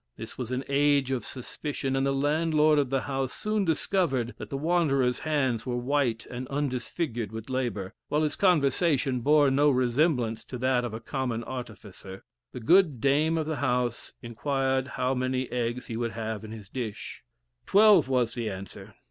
This was an age of suspicion, and the landlord of the house soon discovered that the wanderer's hands were white and undisfigured with labor, while his conversation bore no resemblance to that of a common artificer. The good dame of the house inquired how many eggs he would have in his dish. Twelve, was the answer.